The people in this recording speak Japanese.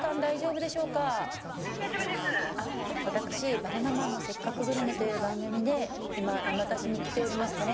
はい私「バナナマンのせっかくグルメ！！」という番組で今沼田市に来ております